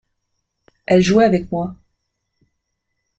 Elle jouait avec moi.